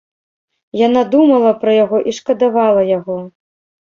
Яна думала пра яго і шкадавала яго.